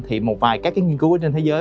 thì một vài các nghiên cứu trên thế giới